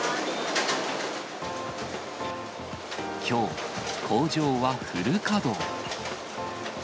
きょう、工場はフル稼働。